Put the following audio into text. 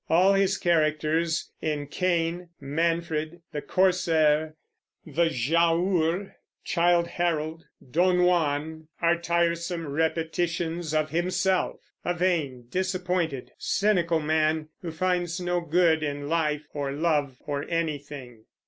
All his characters, in Cain, Manfred, The Corsair, The Giaour, Childe Harold, Don Juan, are tiresome repetitions of himself, a vain, disappointed, cynical man, who finds no good in life or love or anything.